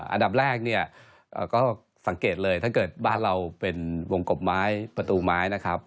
อันดับแรกเนี่ยก็สังเกตเลยถ้าเกิดบ้านเราเป็นวงกบไม้ประตูไม้นะครับ